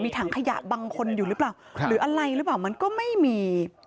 ถังขยะบางคนอยู่หรือเปล่าหรืออะไรหรือเปล่ามันก็ไม่มี